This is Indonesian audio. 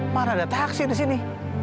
mana ada taksi disini